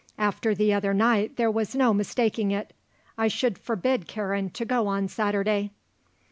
After the other night there was no mistaking it. I should forbid Karen to go on Saturday."